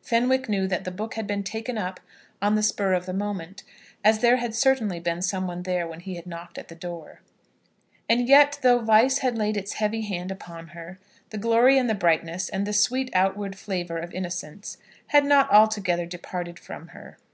Fenwick knew that the book had been taken up on the spur of the moment, as there had certainly been someone there when he had knocked at the door. And yet, though vice had laid its heavy hand upon her, the glory and the brightness, and the sweet outward flavour of innocence, had not altogether departed from her.